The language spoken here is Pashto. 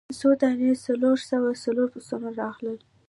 څو دانې څلور سوه څلور بسونه راغلل.